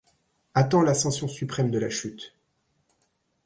Attends l’ascension suprême de la chute ;